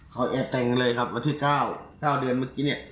เขาแอบแต่งเลยครับวันที่๙๙เดือนเมื่อกี้เนี่ย